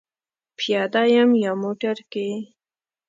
پیاده یم یا موټر کې؟